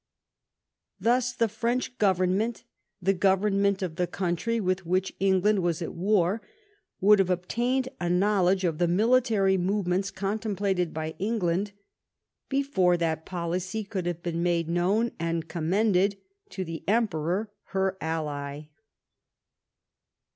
Thus the French government, the government of the coun try with which England was at war, would have ob tained a knowledge of the military movements con templated by England before that policy could have been made known and commended to the Emperor, her ally.